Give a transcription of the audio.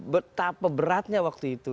betapa beratnya waktu itu